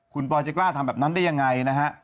คุณปอยจะกล้าทำแบบนั้นได้ยังไงนะฮะ